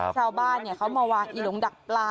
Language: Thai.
ชาวบ้านเขามาวางอีหลงดักปลา